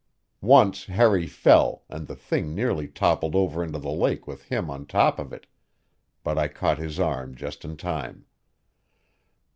Once Harry fell, and the thing nearly toppled over into the lake with him on top of it; but I caught his arm just in time.